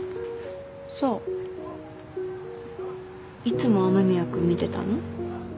そういつも雨宮君見てたの？